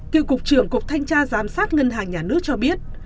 cựu cục trưởng cục thanh tra giám sát ngân hàng nhà nước cho biết